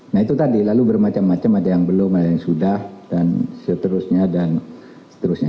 nah itu tadi lalu bermacam macam ada yang belum ada yang sudah dan seterusnya dan seterusnya